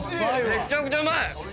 めちゃくちゃうまい！